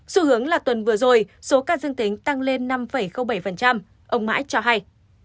xu hướng là tuần vừa rồi số ca dương tính tăng lên năm bảy ông mãi cho hay